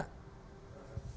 pastikan kita tahu apa yang kita